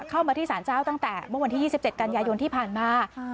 เข้ามาที่สารเจ้าตั้งแต่เมื่อวันที่๒๗กันยายนที่ผ่านมา